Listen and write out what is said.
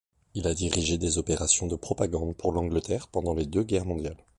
Il a dirigé des opérations de propagande pour l'Angleterre pendant les deux guerres mondiales.